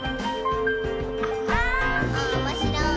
「おもしろいなぁ」